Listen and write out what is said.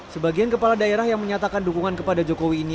sebagian kepala daerah yang menyatakan dukungan kepada joko widodo